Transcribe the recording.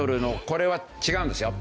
これは違うんですよ。